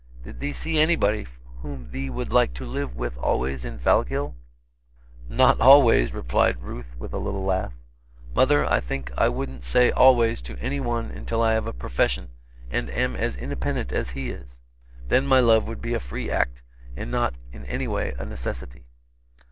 Did thee see anybody whom thee would like to live with always in Fallkill?" "Not always," replied Ruth with a little laugh. "Mother, I think I wouldn't say 'always' to any one until I have a profession and am as independent as he is. Then my love would be a free act, and not in any way a necessity."